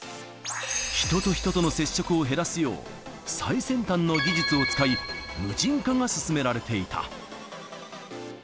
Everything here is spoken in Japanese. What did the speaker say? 人と人の接触を減らすよう、最先端の技術を使い、無人化が進められていた。